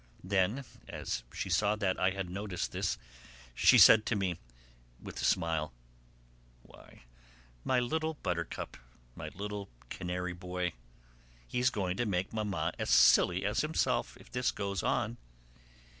Then, as she saw that I had noticed this, she said to me, with a smile: "Why, my little buttercup, my little canary boy, he's going to make Mamma as silly as himself if this goes on.